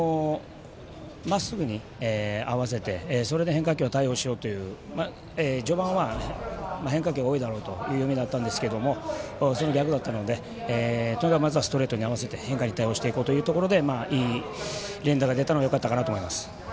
まっすぐに合わせてそれで変化球を対応しようという序盤は変化球が多いだろうという読みだったんですけどもその逆だったのでとにかくストレートに合わせて変化に対応していこうということでいい連打が出たのがよかったかなと思います。